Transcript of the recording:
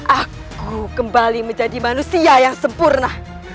aku kembali menjadi manusia yang sempurna